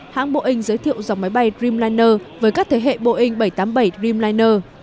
hãng boeing giới thiệu dòng máy bay dreamliner với các thế hệ boeing bảy trăm tám mươi bảy dreamliner